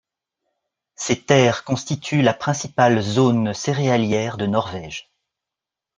Ces terres constituent la principale zone céréalière de Norvège.